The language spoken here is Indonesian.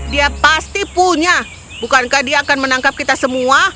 dia pasti punya bukankah dia akan menangkap kita semua